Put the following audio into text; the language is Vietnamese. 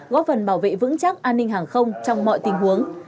góp phần bảo vệ vững chắc an ninh hàng không trong mọi tình huống